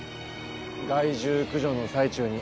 害獣駆除の最中に。